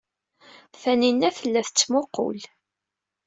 Taninna tella tettmuqqul.